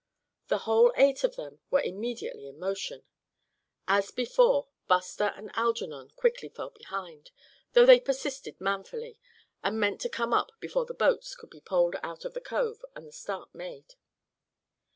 The whole eight of them were immediately in motion. As before, Buster and Algernon quickly fell behind, though they persisted manfully, and meant to come up before the boats could be poled out of the cove and the start made.